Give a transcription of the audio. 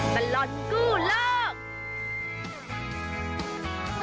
มันร้อนกู้เลิก